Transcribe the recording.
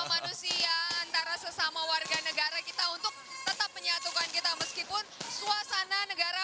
kemanusiaan antara sesama warga negara kita untuk tetap menyatukan kita meskipun suasana negara